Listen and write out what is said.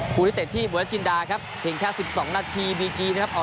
ครูนิเตะที่บวชจินดาครับเพียงแค่สิบสองนาทีครับ